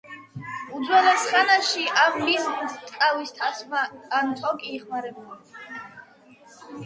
უძველეს ხანაში ამ მიზნით ტყავის თასმა ან თოკი იხმარებოდა.